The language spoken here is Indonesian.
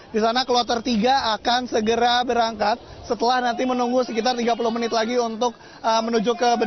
di sana kloter tiga akan segera berangkat setelah nanti menunggu sekitar tiga puluh menit lagi untuk menuju ke bandara